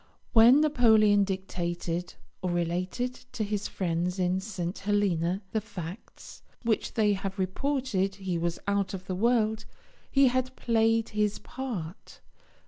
When Napoleon dictated or related to his friends in St. Helena the facts which they have reported he was out of the world, he had played his part.